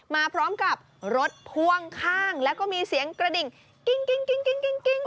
มาพร้อมกับรถพ่วงข้างแล้วก็มีเสียงกระดิ่งกิ้ง